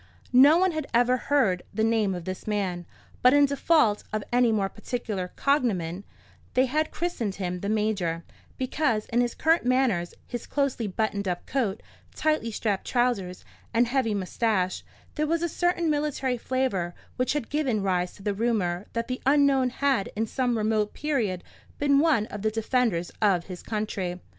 No one had ever heard the name of this man; but in default of any more particular cognomen, they had christened him the Major; because in his curt manners, his closely buttoned up coat, tightly strapped trousers, and heavy moustache, there was a certain military flavour, which had given rise to the rumour that the unknown had in some remote period been one of the defenders of his country.